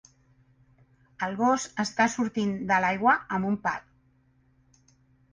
El gos està sortint de l'aigua amb un pal.